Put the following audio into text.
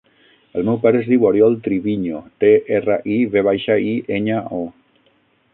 El meu pare es diu Oriol Triviño: te, erra, i, ve baixa, i, enya, o.